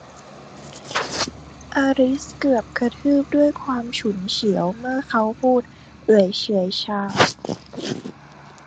อลิซเกือบจะกระทืบด้วยความฉุนเฉียวเมื่อเขาพูดเอื่อยเฉื่อยชา